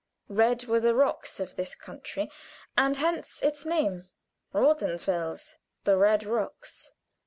Red were the rocks of this country, and hence its name, "Rothen fels," the red rocks.